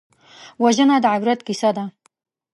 وژنه د عبرت کیسه ده